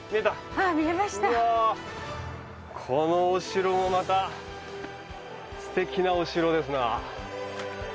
このお城もまたすてきなお城ですな。